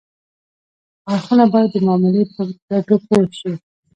اړخونه باید د معاملې په ګټو پوه شي